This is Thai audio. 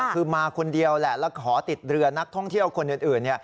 คือมาคนเดียวแหละแล้วขอติดเรือนักท่องเที่ยวคนอื่น